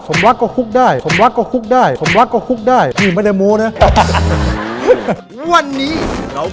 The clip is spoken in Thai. ผมรักก็คุกได้ผมรักก็คุกได้ผมรักก็คุกได้พี่ไม่ได้โม้นะ